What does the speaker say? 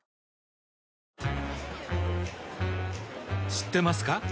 知ってますか？